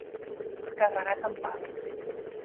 Carregat amb bala.